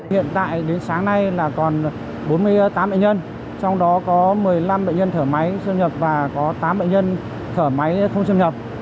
hiện tại đến sáng nay là còn bốn mươi tám bệnh nhân trong đó có một mươi năm bệnh nhân thở máy xâm nhập và có tám bệnh nhân thở máy không xâm nhập